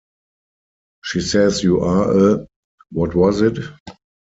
She says you are a — What was it?